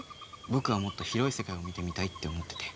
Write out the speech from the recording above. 僕はもっと広い世界を見てみたいって思ってて。